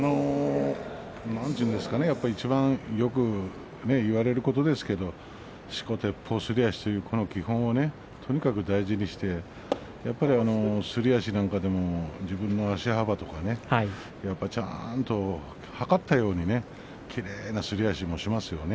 何と言いますかねよく言われますがしこ、てっぽう、すり足という基本をとにかく大事にしてやはり、すり足なども自分の足幅とかちゃんと測ったようにきれいに、すり足をします。